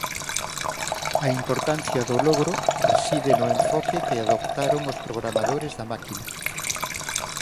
A importancia do logro reside no enfoque que adoptaron os programadores da máquina.